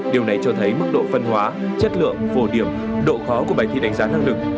điều này cho thấy mức độ phân hóa chất lượng phổ điểm độ khó của bài thi đánh giá năng lực